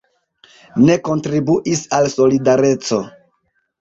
Ne kontribuis al Solidareco.